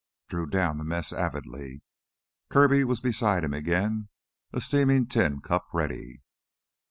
Drew downed the mass avidly. Kirby was beside him again, a steaming tin cup ready.